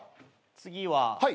次は。